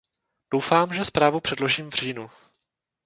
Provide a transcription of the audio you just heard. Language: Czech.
Doufám, že zprávu předložím v říjnu.